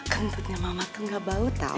gendutnya mama tuh nggak bau tahu